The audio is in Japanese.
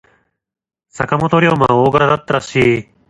坂本龍馬は大柄だったらしい。